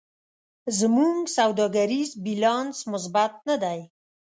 زموږ سوداګریز بیلانس مثبت نه دی.